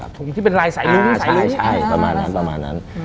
อเจมส์ถุงอยู่ที่เป็นรายใส่ลุงบ๊วยใช่ประมาณนั้น